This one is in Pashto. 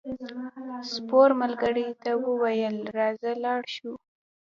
سپور ملګري ته وویل راځه لاړ شو.